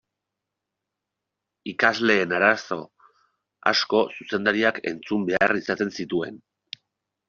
Ikasleen arazo asko zuzendariak entzun behar izaten zituen.